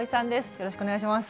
よろしくお願いします。